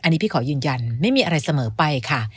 ที่ขอยืนยันไม่มีอะไรเสมอไปค่ะ